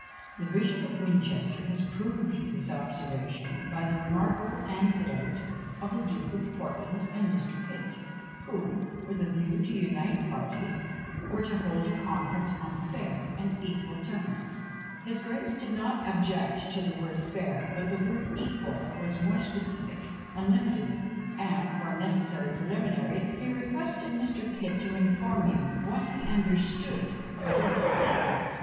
The Bishop of Winchester has proved this observation, by the remarkable anecdote of the Duke of Portland and Mr. Pitt, who, with a view to unite parties, were to hold a conference on FAIR and EQUAL terms. His grace did not object to the word FAIR, but the word EQUAL was more specific and limited; and for a necessary preliminary, he requested Mr. Pitt to inform him what he understood by the word EQUAL?